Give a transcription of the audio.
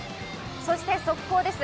そして速報です。